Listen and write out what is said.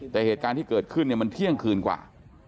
แต่เหตุการณ์ที่เกิดขึ้นมันเที่ยงคืนกว่า